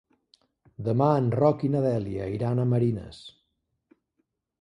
Demà en Roc i na Dèlia iran a Marines.